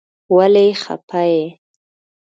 ولی خپه یی ؟